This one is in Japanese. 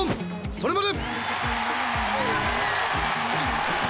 それまで！